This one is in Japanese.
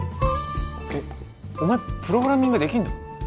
えっお前プログラミングできるの？